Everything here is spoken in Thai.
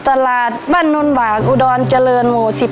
ตลาดบ้านโน่นหวากอุดรเจริญโหม๑๓